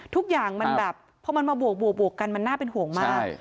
ทุกอย่างมันแบบพอมันมาบวกกันมันน่าเป็นห่วงมาก